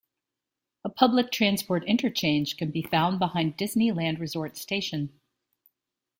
A public transport interchange can be found behind Disneyland Resort Station.